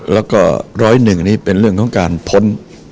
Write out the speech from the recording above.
แล้วก็๑๐๑นี้เป็นเรื่องของการพ้น